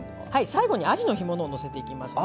最後にあじの干物をのせていきますね。